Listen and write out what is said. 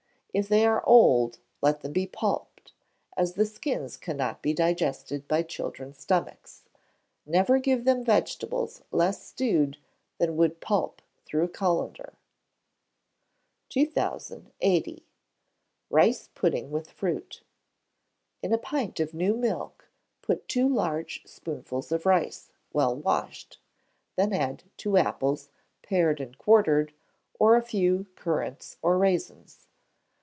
If they are old, let them be pulped, as the skins cannot be digested by children's stomachs. Never give them vegetables less stewed than would pulp through a cullender. 2080. Rice Pudding With Fruit. In a pint of new milk put two large spoonfuls of rice, well washed; then add two apples, pared and quartered, or a few currants or rasins.